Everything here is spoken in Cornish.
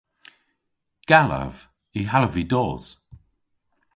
Gallav. Y hallav vy dos.